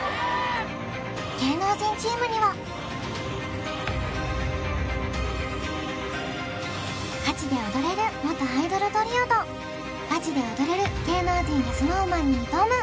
芸能人チームにはガチで踊れる元アイドルトリオとガチで踊れる芸能人がＳｎｏｗＭａｎに挑む！